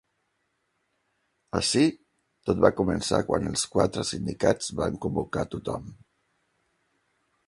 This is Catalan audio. Ací, tot va començar quan els quatre sindicats van convocar tothom.